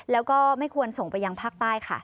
แล้วก็ไม่ควรส่งไปยังภาคใต้ค่ะ